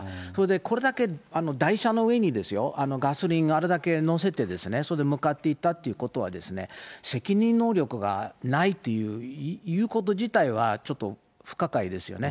これだけ台車の上にですよ、ガソリンがあれだけ載せてですね、それで向かっていったっていうことは、責任能力がないということ自体は、ちょっと不可解ですよね。